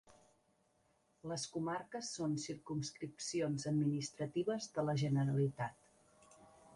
Les comarques són circumscripcions administratives de La Generalitat.